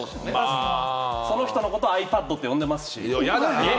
その人のことをｉＰａｄって呼んでますし。